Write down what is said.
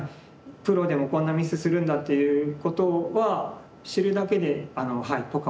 プロでもこんなミスするんだっていうことは知るだけでポカ